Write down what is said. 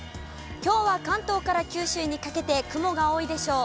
きょうは関東から九州にかけて、雲が多いでしょう。